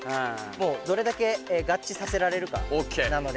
もうどれだけ合致させられるかなので。